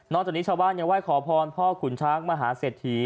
จากนี้ชาวบ้านยังไหว้ขอพรพ่อขุนช้างมหาเศรษฐี